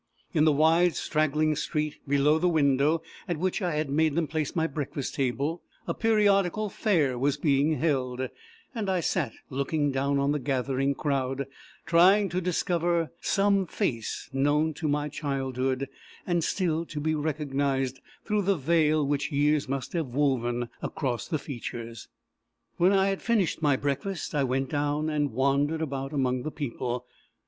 In the wide, straggling street, below the window at which I had made them place my breakfast table, a periodical fair was being held; and I sat looking down on the gathering crowd, trying to discover some face known to my childhood, and still to be recognized through the veil which years must have woven across the features. When I had finished my breakfast, I went down and wandered about among the people.